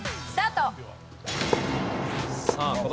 さあ